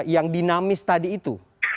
yang dinamis tadi itu